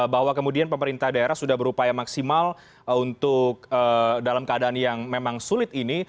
bahwa kemudian pemerintah daerah sudah berupaya maksimal untuk dalam keadaan yang memang sulit ini